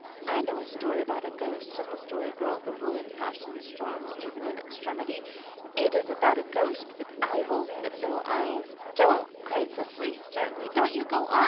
"I know a story about a ghost," said the Story Girl, the ruling passion strong even in extremity. "It is about a ghost with eyeholes but no eyes " "Don't," cried Cecily hysterically. "Don't you go on!